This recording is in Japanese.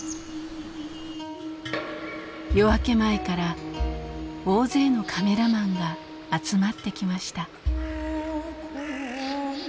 夜明け前から大勢のカメラマンが集まってきました。